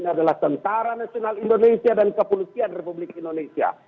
ini adalah tentara nasional indonesia dan kepolisian republik indonesia